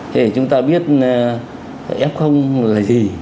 thì chúng ta biết f là gì